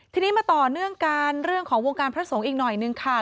ทีนี้มาต่อเนื่องกันเรื่องของวงการพระสงฆ์อีกหน่อยนึงค่ะ